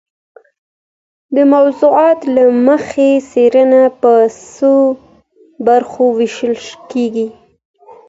د موضوع له مخي څېړنه په څو برخو وېشل کيږي.